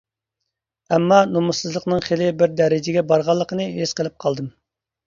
ئەمما نومۇسسىزلىقنىڭ خېلى بىر دەرىجىگە بارغانلىقىنى ھېس قىلىپ قالدىم.